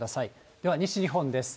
では西日本です。